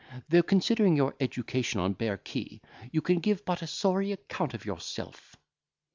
Though, considering your education on Bear Quay, you can give but a sorry account of yourself."